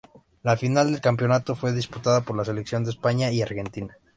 La final del campeonato fue disputada por las selecciones de España y Argentina.